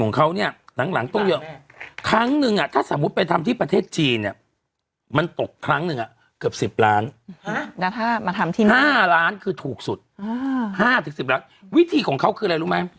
ของเธออ่ะเกาะคุ้มกันมันเยอะฉันไม่ค่อยมีเกาะคุ้มกันอืม